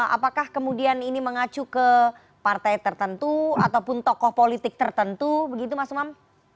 apakah kemudian ini mengacu ke partai tertentu ataupun tokoh politik tertentu begitu mas umam